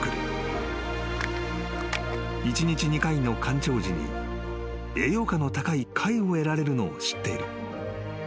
［１日２回の干潮時に栄養価の高い貝を得られるのを知っている］